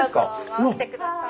回してください。